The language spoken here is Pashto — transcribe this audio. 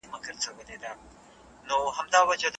دلته سرتورو په ښراکلونه وپېیله